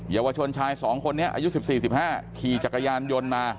เยาวชนชาย๒คนนี้อายุ๑๔๑๕ขี่จักรยานยนต์มา